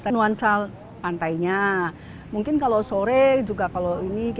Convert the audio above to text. nuansa pantainya mungkin kalau sore juga kalau ini